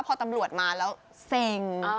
พอตำรวจมาแล้วเซ็ง